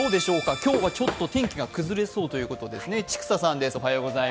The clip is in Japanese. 今日は天気が崩れそうということですが。